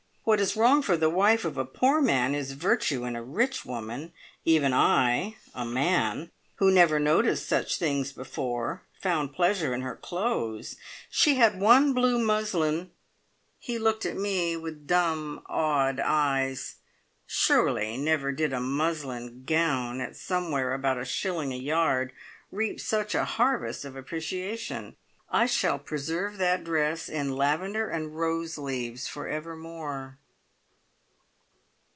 What is wrong for the wife of a poor man is a virtue in a rich woman. Even I a man who never noticed such things before, found pleasure in her clothes. She had one blue muslin " He looked at me with dumb, awed eyes. Surely never did a muslin gown at somewhere about a shilling a yard, reap such a harvest of appreciation. I shall preserve that dress in lavender and rose leaves for evermore.